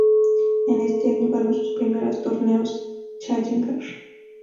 En este año ganó sus primeros torneos challenger.